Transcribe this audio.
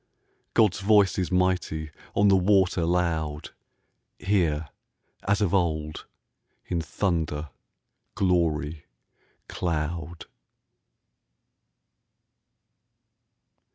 God's voice is mighty, on the water loud, Here, as of old, in thunder, glory, cloud!